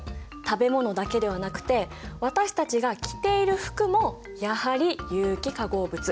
食べ物だけではなくて私たちが着ている服もやはり有機化合物。